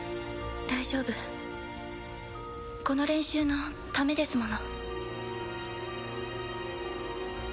大丈夫この練習のためですもの